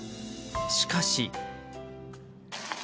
しかし。